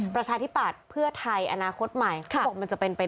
ประชาชีปัตรเพื่อไทยอนาคตใหม่